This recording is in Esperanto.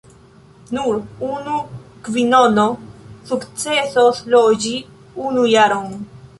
Nur unu kvinono sukcesas loĝi unu jaron.